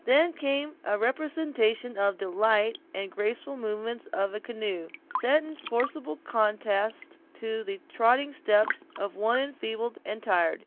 Then came a representation of the light and graceful movements of a canoe, set in forcible contrast to the tottering steps of one enfeebled and tired.